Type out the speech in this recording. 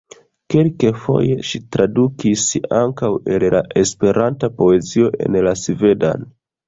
Kelkfoje ŝi tradukis ankaŭ el la Esperanta poezio en la svedan.